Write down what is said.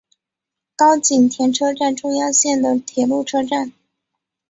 高井田车站中央线的铁路车站。